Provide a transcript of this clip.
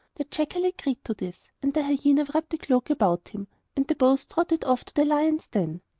The jackal agreed to this, and the hyena wrapped the cloak about him, and they both trotted off to the lion's den.